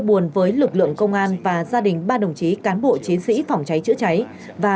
buồn với lực lượng công an và gia đình ba đồng chí cán bộ chiến sĩ phòng cháy chữa cháy và